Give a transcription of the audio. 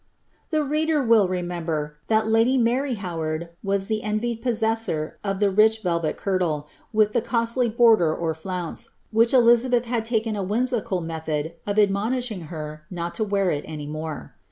' The reader will remember, thai lady Mary Honaid was tbe nmd possessor of the rich velvet kirtle, wi'ih the cosily border or 8o«n. which Elisabeth had taken a whimsical method of adfflODiahiBf btr imi to wenr any more.